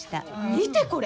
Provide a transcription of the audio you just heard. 見てこれ。